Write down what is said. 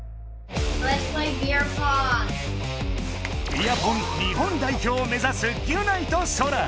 ビアポン日本代表を目ざすギュナイとソラ。